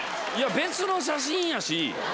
別の写真やし。